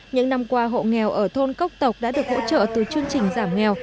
những năm qua hộ nghèo ở thôn cốc tộc đã được hỗ trợ từ chương trình giảm nghèo